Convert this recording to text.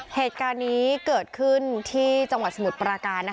เหตุการณ์นี้เกิดขึ้นที่จังหวัดสมุทรปราการ